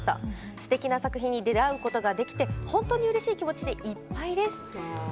すてきな作品に出会うことができて本当にうれしい気持ちでいっぱいです。